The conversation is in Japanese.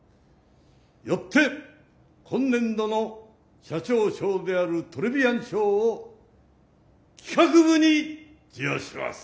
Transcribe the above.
よって今年度の社長賞であるトレビアン賞を企画部に授与します。